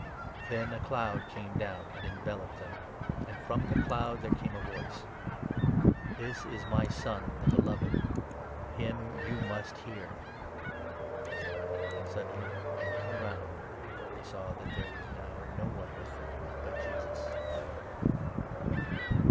Then a cloud came down and enveloped 7 them ; and from the cloud there came a voice — "This is my Son, the Beloved ; him you must hear." And suddenly, on looking round, they saw that there was now 8 no one with them but Jesus alone.